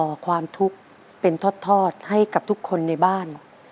ความทุกข์เป็นทอดให้กับทุกคนในบ้าน